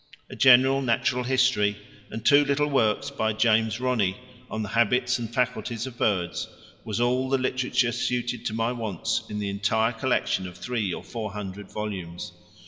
A general Natural History and two little works by James Ronnie on the habits and faculties of birds was all the literature suited to my wants in the entire collection of three or four hundred volumes.